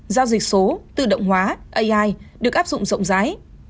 giao dịch số tự động hóa ai được áp dụng rộng rãi